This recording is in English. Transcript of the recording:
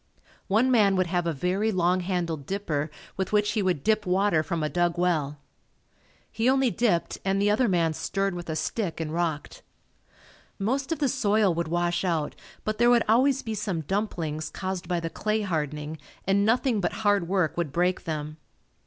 One man would have a very long handled dipper with which he would dip water from a dug well. He only dipped and the other man stirred with a stick and rocked. Most of the soil would wash out but there would always be some "dumplings" caused by the clay hardening and nothing but hard work would break them.